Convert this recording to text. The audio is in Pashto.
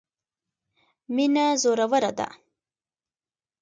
مینه زوروره ده.